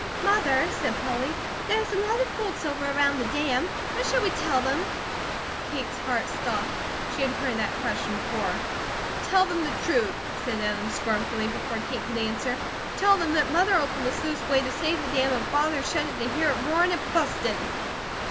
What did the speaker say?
"Mother," said Polly, "there is a lot of folks over around the dam. What shall we tell them?" Kate's heart stopped. She had heard that question before. "Tell them the truth," said Adam scornfully, before Kate could answer. "Tell them that Mother opened the sluiceway to save the dam and Father shut it to hear it roar, and it busted!"